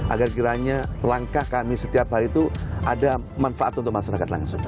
agar kiranya langkah kami setiap hari itu ada manfaat untuk masyarakat langsung